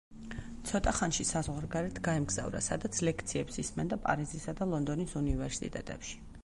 ცოტა ხანში საზღვარგარეთ გაემგზავრა, სადაც ლექციებს ისმენდა პარიზისა და ლონდონის უნივერსიტეტებში.